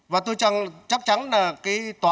và tôi chắc chắn là cái tòa